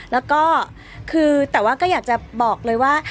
แล้วก็คือแต่ว่าก็อยากจะบอกเลยว่า